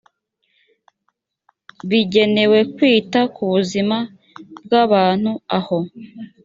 bigenewe kwita ku buzima bw abantu aho